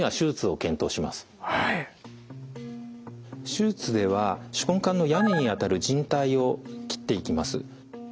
手術では手根管の屋根にあたる靭帯を切っていきます。